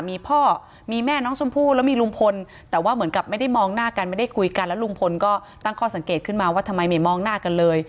มีพ่อมีแม่น้องชมพู่แล้วมีลุงพลแต่ว่าเหมือนกับไม่ได้มองหน้ากันไม่ได้คุยกันแล้วลุงพลก็ตั้งข้อสังเกตขึ้นมาว่าทำไมไม่มองหน้ากันเลย